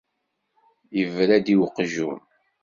Ibra-d i weqjun.